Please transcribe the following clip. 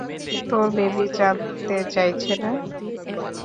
তোর বেবি জানতে চাইছে না?